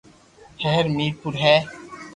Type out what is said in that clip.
ھير مير پور ھي